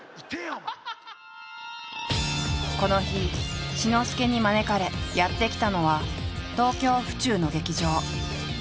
この日志の輔に招かれやって来たのは東京府中の劇場。